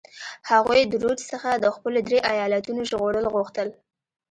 هغوی د رودز څخه د خپلو درې ایالتونو ژغورل غوښتل.